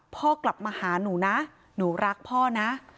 พ่อกลับมาหาหนูนะหนูรักพ่อนะ